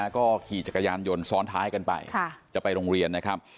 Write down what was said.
ก็ขี่จักรยานยนต์ซ้อนท้ายกันไปจะไปโรงเรียนนะครับ